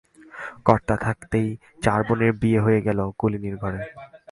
কর্তা থাকতেই চার বোনের বিয়ে হয়ে গেল কুলীনের ঘরে।